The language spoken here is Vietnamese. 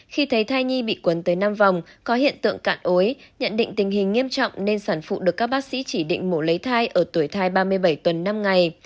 khi thấy thai nhi bị cuốn tới năm vòng có hiện tượng cạn ối nhận định tình hình nghiêm trọng nên sản phụ được các bác sĩ chỉ định mổ lấy thai ở tuổi thai ba mươi bảy tuần năm ngày